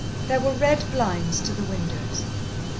There were red blinds to the windows.